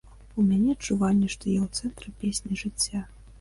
У мяне адчуванне, што я ў цэнтры песні жыцця.